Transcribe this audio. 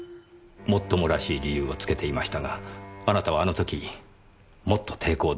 もっともらしい理由をつけていましたがあなたはあの時もっと抵抗できたはずです。